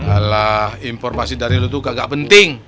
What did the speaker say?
alah informasi dari lu tuh gak penting